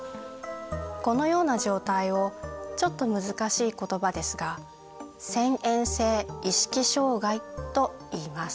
このような状態をちょっと難しい言葉ですが遷延性意識障害といいます。